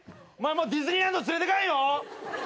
もうディズニーランド連れてかないよ！